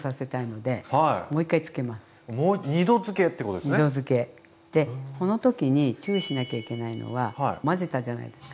でこの時に注意しなきゃいけないのは混ぜたじゃないですか。